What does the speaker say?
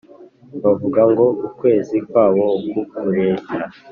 bavuga ngo ukwezi kwabo uku kureshya